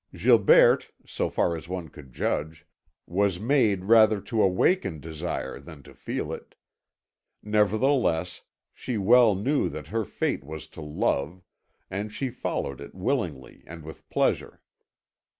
Gilberte, so far as one could judge, was made rather to awaken desire than to feel it. Nevertheless, she well knew that her fate was to love, and she followed it willingly and with pleasure.